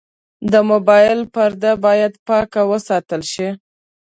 د موبایل پرده باید پاکه وساتل شي.